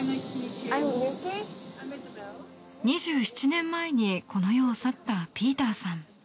２７年前にこの世を去ったピーターさん。